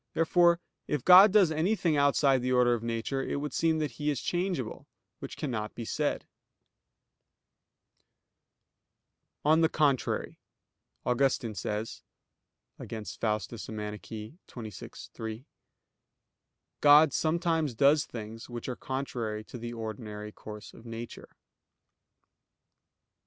Therefore it God does anything outside the order of nature, it would seem that He is changeable; which cannot be said. On the contrary, Augustine says (Contra Faust. xxvi, 3): "God sometimes does things which are contrary to the ordinary course of nature."